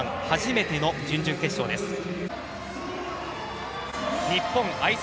初めての準々決勝です。